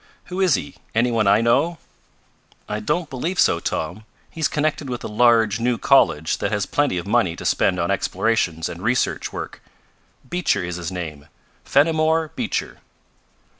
"Who is he any one I know?" "I don't believe so, Tom. He's connected with a large, new college that has plenty of money to spend on explorations and research work. Beecher is his name Fenimore Beecher."